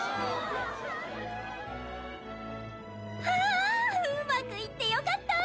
あうまくいってよかった！